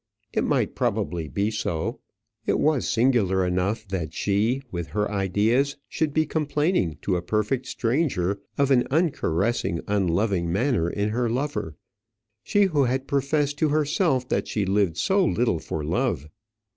It might probably be so. It was singular enough that she, with her ideas, should be complaining to a perfect stranger of an uncaressing, unloving manner in her lover; she who had professed to herself that she lived so little for love!